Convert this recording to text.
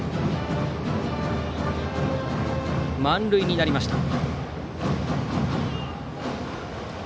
満塁になりました。